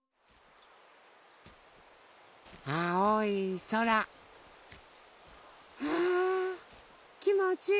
あおいそら。はきもちいいな。